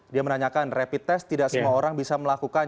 dia menanyakan rapid test tidak semua orang bisa melakukan